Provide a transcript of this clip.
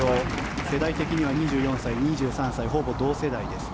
世代的には２４歳、２３歳ほぼ同世代です。